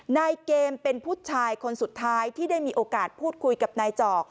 นายเกมเป็นผู้ชายคนสุดท้ายที่ได้มีโอกาสพูดคุยกับนายจอก